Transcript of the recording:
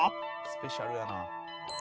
「スペシャルやな」